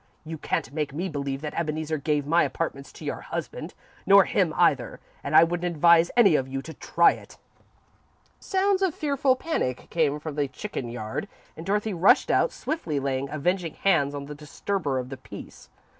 You can't make me believe that Ebeneezer gave my apartments to your husband, nor him either, and I wouldn't advise any of you to try it." Sounds of fearful panic came from the chicken yard, and Dorothy rushed out, swiftly laying avenging hands on the disturber of the peace.